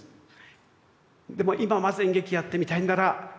でも今はまず演劇やってみたいならいって下さい。